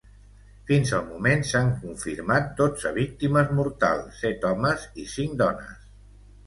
Fins al moment s’han confirmat dotze víctimes mortals, set homes i cinc dones.